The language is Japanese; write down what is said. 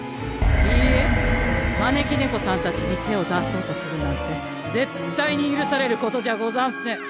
いいえ招き猫さんたちに手を出そうとするなんて絶対に許されることじゃござんせん。